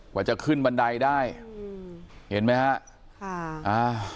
กว่าจะขึ้นบันไดได้เห็นไหมฮะ